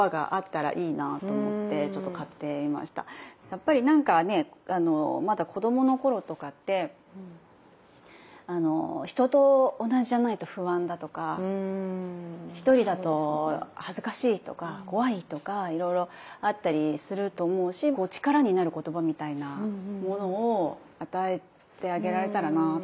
やっぱりなんかねまだ子どもの頃とかって人と同じじゃないと不安だとか１人だと恥ずかしいとか怖いとかいろいろあったりすると思うし力になる言葉みたいなものを与えてあげられたらなとかって思って。